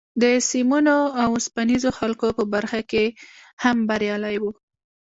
د سیمونو او اوسپنیزو حلقو په برخه کې هم بریالی و